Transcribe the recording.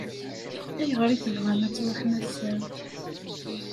Ayɣer i tebɣam ad tṛuḥem ass-a?